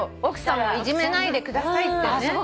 「奥さんをいじめないでください」ってね。